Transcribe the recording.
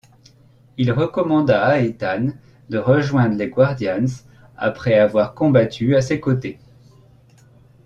Il recommanda à Ethan de rejoindre les guardians après avoir combattu à ses côtés.